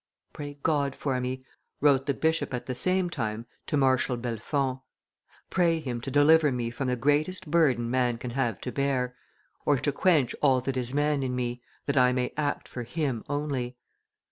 "Pray God for me," wrote the bishop at the same time to Marshal Bellefonds, "pray Him to deliver me from the greatest burden man can have to bear, or to quench all that is man in me, that I may act for Him only.